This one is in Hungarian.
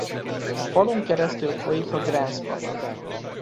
A falun keresztül folyik a Gerence-patak.